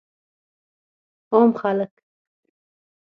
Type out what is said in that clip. عام خلک